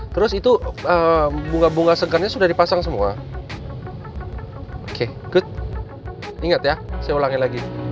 terus itu bunga bunga segarnya sudah dipasang semua oke good ingat ya saya ulangi lagi